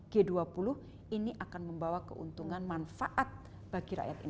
kita menjalankan keketuaan g dua puluh ini akan membawa keuntungan manfaat bagi rakyat indonesia